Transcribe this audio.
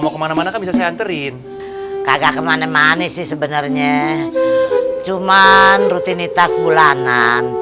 mau kemana mana kan bisa saya anterin kagak kemana mana sih sebenarnya cuman rutinitas bulanan